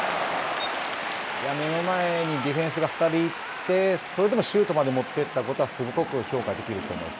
目の前にディフェンスが２人いて、それでもシュートまで持っていったことは、すごく評価できると思います。